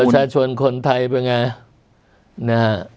ประชาชนคนไทยเป็นไงนะฮะ